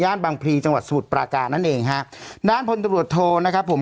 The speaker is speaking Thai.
บางพลีจังหวัดสมุทรปราการนั่นเองฮะด้านพลตำรวจโทนะครับผม